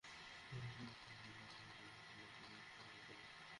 দুই ভেন্যুতে খেলার মাঝখানে ধকল কাটিয়ে ওঠার জন্য একটু সময় চেয়েছিলেন।